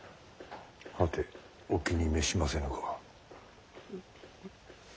はてお気に召しませぬか？